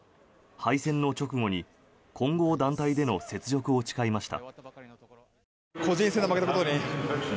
敗戦の直後に混合団体での雪辱を誓いました。